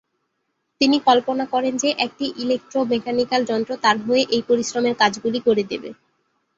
তিনি কল্পনা করেন যে একটি ইলেকট্রো-মেকানিকাল যন্ত্র তার হয়ে এই পরিশ্রমের কাজগুলি করে দেবে।